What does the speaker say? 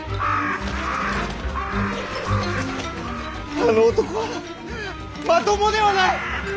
あの男はまともではない！